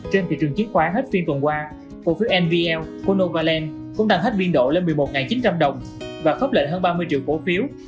trên thị trường chiến khoán hết phiên tuần qua cổ phiếu nvl của novaland cũng đang hết viên độ lên một mươi một chín trăm linh đồng và khớp lệnh hơn ba mươi triệu cổ phiếu